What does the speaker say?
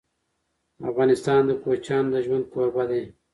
افغانستان د کوچیانو د ژوند کوربه دی.